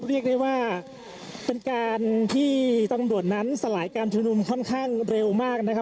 เรียกได้ว่าเป็นการที่ตำรวจนั้นสลายการชุมนุมค่อนข้างเร็วมากนะครับ